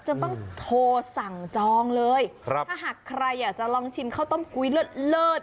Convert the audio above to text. ต้องโทรสั่งจองเลยครับถ้าหากใครอยากจะลองชิมข้าวต้มกุ้ยเลิศเลิศ